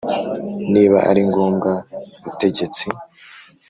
Niba ari ngombwa butegetsi